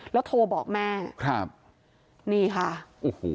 แล้วโทรบอกแม่ครับนี่ค่ะโอ้โห